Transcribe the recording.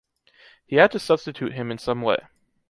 He had to substitute him in some way.